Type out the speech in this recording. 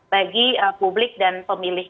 bagi publik dan pemilih